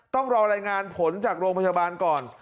ต้องรอรายงานผลจากโรงพยาบาลก่อน